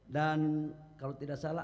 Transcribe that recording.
dan kalau tidak salah